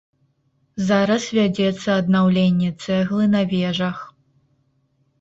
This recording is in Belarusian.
Зараз вядзецца аднаўленне цэглы на вежах.